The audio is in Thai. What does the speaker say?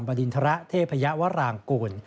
บรินทระเทพยาวรางกุล